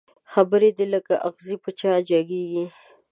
خبري دي لکه اغزي په چا جګېږي